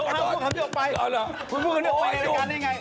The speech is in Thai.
พวกนั้นไปรายการได้อย่างไร